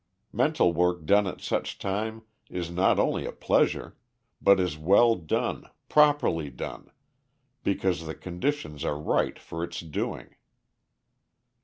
Mental work done at such time is not only a pleasure, but is well done, properly done, because the conditions are right for its doing.